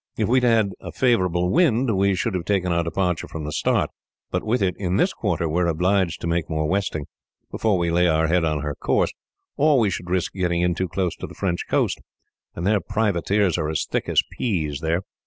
If we had had a favourable wind, we should have taken our departure from the Start, but with it in this quarter we are obliged to make more westing, before we lay her head on her course, or we should risk getting in too close to the French coast; and their privateers are as thick as peas, there."